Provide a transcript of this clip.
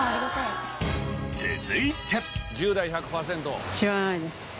続いて。